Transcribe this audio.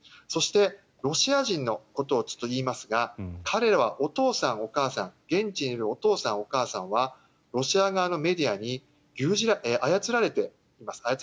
そして、ロシア人のことをいいますが彼らは現地にいるお父さん、お母さんはロシア側のメディアに操られています。